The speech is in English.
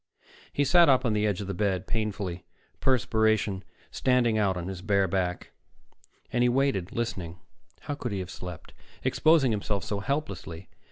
He sat up on the edge of the bed, painfully, perspiration standing out on his bare back, and he waited, listening. How could he have slept, exposing himself so helplessly?